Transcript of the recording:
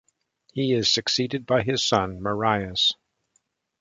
He is succeeded by his son, Marius.